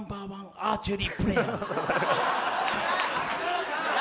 アーチェリープレーヤー